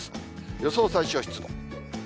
予想最小湿度。